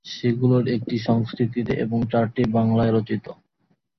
সেগুলির একটি সংস্কৃতে এবং চারটি বাংলায় রচিত।